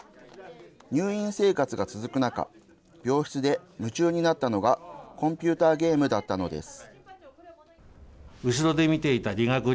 入院生活が続く中、病室で夢中になったのが、コンピューターゲームだったのです。